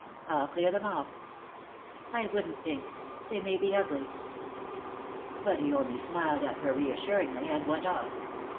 I'll clear them off." "I wouldn't, Pink. They may be ugly." But he only smiled at her reassuringly, and went off.